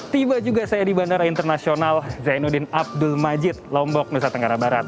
tiba juga saya di bandara internasional zainuddin abdul majid lombok nusa tenggara barat